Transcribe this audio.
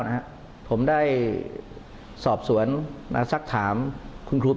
แต่เจ้าตัวก็ไม่ได้รับในส่วนนั้นหรอกนะครับ